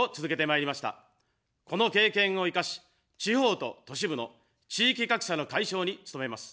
この経験を生かし、地方と都市部の地域格差の解消に努めます。